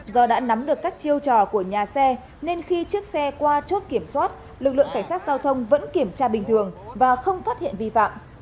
do đã nắm được các chiêu trò của nhà xe nên khi chiếc xe qua chốt kiểm soát lực lượng cảnh sát giao thông vẫn kiểm tra bình thường và không phát hiện vi phạm